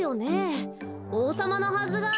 おうさまのはずが。